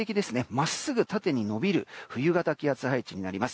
真っすぐ縦に延びる冬型の気圧配置になります。